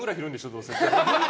どうせ。